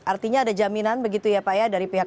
artinya ada jaminan begitu ya pak ya dari pihak